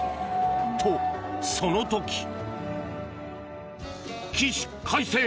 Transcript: と、その時、起死回生！